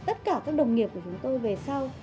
tất cả các đồng nghiệp của chúng tôi về sau